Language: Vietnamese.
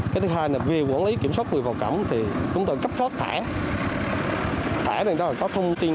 cái thứ hai là về quản lý kiểm soát người vào cản thì chúng tôi cấp soát thẻ thẻ thì đó là có thông tin